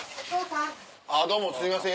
あぁどうもすいません